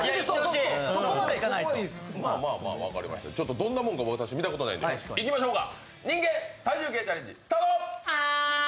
どんなものか私、見たことないのでいきましょうか。